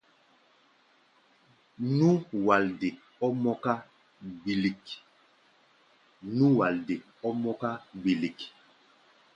Nú-walde ɔ́ mɔ́ká gbilik.